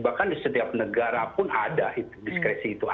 bahkan di setiap negara pun ada diskresi itu